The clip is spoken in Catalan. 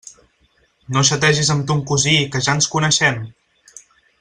No xategis amb ton cosí, que ja ens coneixem!